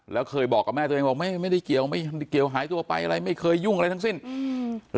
แล้วเคยบอกกับแม่ตัวเองบอกไม่ไม่ได้เกี่ยวไม่ได้เกี่ยวหายตัวไปอะไรไม่เคยยุ่งอะไรทั้งสิ้นอืม